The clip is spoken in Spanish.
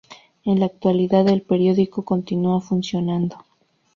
En la actualidad el periódico continúa funcionando.